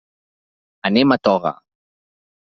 Anem a Toga.